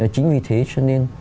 chính vì thế cho nên